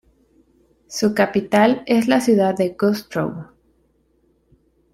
Su capital es la ciudad de Güstrow.